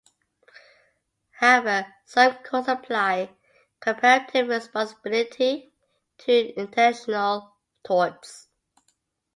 However, some courts apply comparative responsibility to intentional torts.